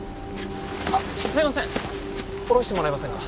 あっすいませんおろしてもらえませんか？